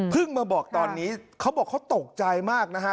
มาบอกตอนนี้เขาบอกเขาตกใจมากนะฮะ